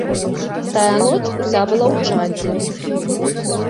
Тая ноч уся была ў чадзе.